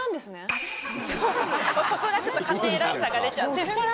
あっそこがちょっと家庭らしさが出ちゃってる